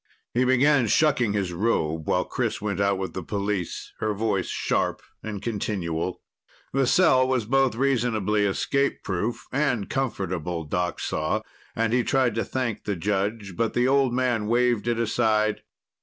He began shucking his robe while Chris went out with the police, her voice sharp and continual. The cell was both reasonably escape proof and comfortable, Doc saw, and he tried to thank the judge. But the old man waved it aside.